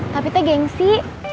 tapi teh gengsi